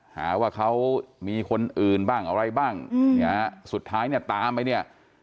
หาว่าเขามีคนอื่นบ้างอะไรบ้างสุดท้ายตามไป